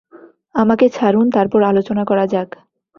আমাকে ছাড়ুন, তারপর আলোচনা করা যাক।